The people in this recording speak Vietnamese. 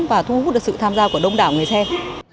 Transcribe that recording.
và thu hút được sự tham gia của đông đảo người xem